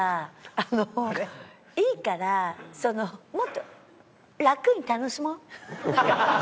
あのいいからそのもっと楽に楽しもう。